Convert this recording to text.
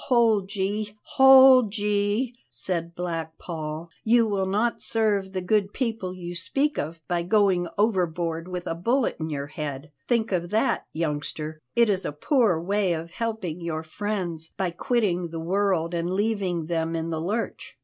"Hold ye, hold ye!" said Black Paul, "you will not serve the good people you speak of by going overboard with a bullet in your head; think of that, youngster. It is a poor way of helping your friends by quitting the world and leaving them in the lurch."